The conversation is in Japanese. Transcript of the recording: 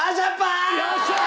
よっしゃー！